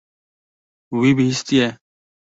Wî bihîstiye.